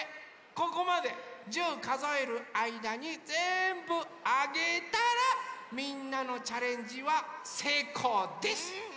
ここまで１０かぞえるあいだにぜんぶあげたらみんなのチャレンジはせいこうです！